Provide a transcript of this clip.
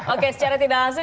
oke secara tidak langsung